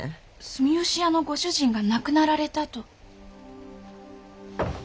住吉屋のご主人が亡くなられたと。